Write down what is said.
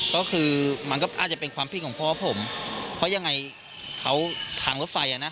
เพราะยังไงเขาทางรถไฟ